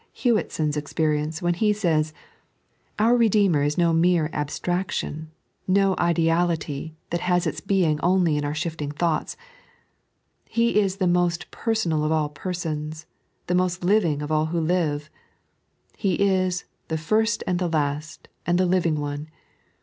Hewiteon's experience, when he says : "Our Itedeemer is no mere abstraction, no ideality that has its being only in oar shifting thoughts — He is the most personal of all persons, the moet living of all who live. He is 'the First and the Last, and the Living One.'